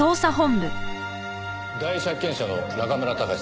第一発見者の中村隆さん